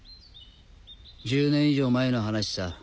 １０年以上前の話さ。